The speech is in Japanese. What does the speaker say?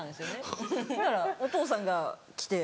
ほんだらお父さんが来て。